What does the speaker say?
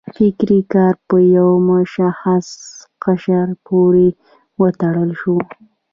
فکري کار په یو مشخص قشر پورې وتړل شو.